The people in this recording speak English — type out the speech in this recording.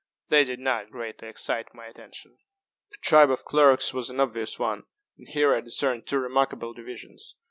They did not greatly excite my attention. The tribe of clerks was an obvious one and here I discerned two remarkable divisions.